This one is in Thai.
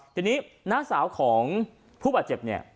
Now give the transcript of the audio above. ทีนี้นางสาวของผู้บาดเจ็บ